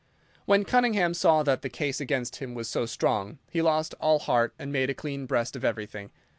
When Cunningham saw that the case against him was so strong he lost all heart and made a clean breast of everything.